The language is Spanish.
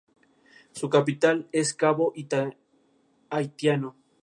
Su capital es Cabo Haitiano.